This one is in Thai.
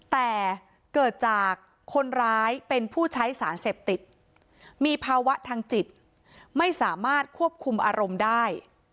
แต่เกิดจากคนร้ายเป็นผู้ใช้สารเสพติดมีภาวะทางจิตไม่สามารถควบคุมอารมณ์ได้